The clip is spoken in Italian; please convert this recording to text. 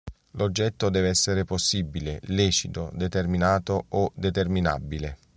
L'oggetto deve essere possibile, lecito, determinato o determinabile.